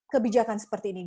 kebijakan seperti ini